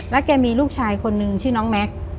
แกมีลูกชายคนนึงชื่อน้องแม็กซ์